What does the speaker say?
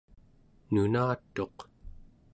nunatuq